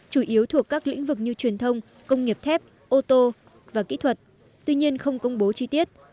chủ yếu thuộc các lĩnh vực như truyền thông công nghiệp thép ô tô và kỹ thuật tuy nhiên không công bố chi tiết